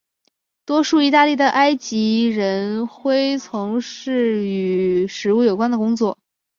多数义大利的埃及人恢从事与食物有关的工作。